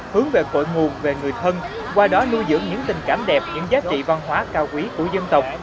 hướng về cội nguồn về người thân qua đó nuôi dưỡng những tình cảm đẹp những giá trị văn hóa cao quý của dân tộc